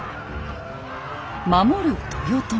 守る豊臣。